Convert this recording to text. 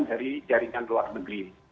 dari jaringan luar negeri